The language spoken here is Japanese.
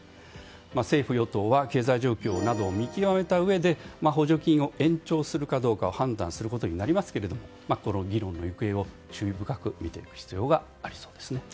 政府・与党は経済状況などを見極めたうえで補助金を延長するかどうかは判断することになりますがこの議論の行方を注意深く見ていく必要がありそうですね。